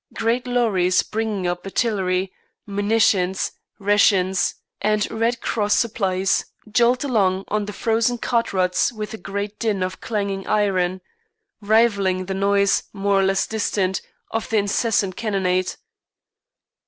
Great lorries bringing up artillery, munitions, rations, and Red Cross supplies jolt along on the frozen cart ruts with a great din of clanging iron, rivalling the noise, more or less distant, of the incessant cannonade.